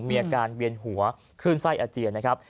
มีอาการเบียนหัวคลื่นไส้อาเจียนะครับ